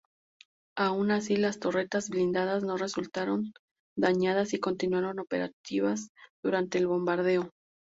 Aun así las torretas blindadas no resultaron dañadas y continuaron operativas durante el bombardeo.